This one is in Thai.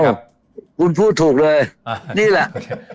คุณพูดถูกเลยนี่แหละ